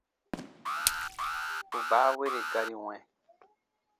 Bù baawere gari wɛ̃.